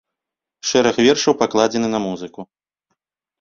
Шэраг вершаў пакладзены на музыку.